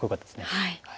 はい。